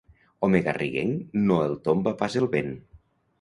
Home garriguenc no el tomba pas el vent.